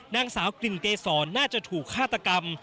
นางสาวกลิ่นเกษรน่าจะถูกฆาตกรรม